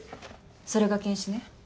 それが検視ね。